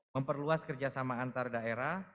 memperluas kerjasama antar daerah